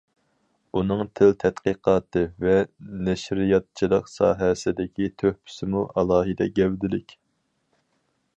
ئۇنىڭ تىل تەتقىقاتى ۋە نەشرىياتچىلىق ساھەسىدىكى تۆھپىسىمۇ ئالاھىدە گەۋدىلىك.